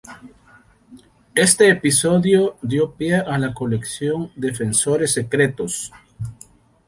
Este episodio dio pie a la colección Defensores Secretos.